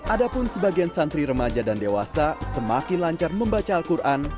adapun sebagian santri remaja dan dewasa semakin lancar membaca al quran